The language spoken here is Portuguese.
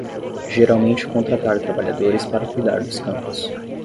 Geralmente contratar trabalhadores para cuidar dos campos